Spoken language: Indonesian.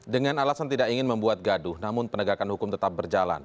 dengan alasan tidak ingin membuat gaduh namun penegakan hukum tetap berjalan